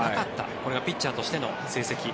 これがピッチャーとしての成績。